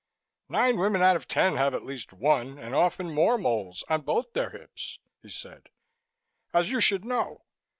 "Nine women out of ten have at least one and often more moles on both their hips," he said, "as you should know.